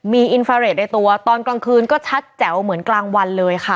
มีอินฟาเรทในตัวตอนกลางคืนก็ชัดแจ๋วเหมือนกลางวันเลยค่ะ